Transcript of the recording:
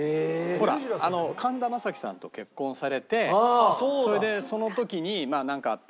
ほら神田正輝さんと結婚されてそれでその時にまあなんかあって。